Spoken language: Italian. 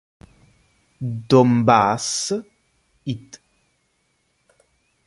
Донбасс; it.